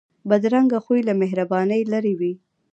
بدرنګه خوی له مهربانۍ لرې وي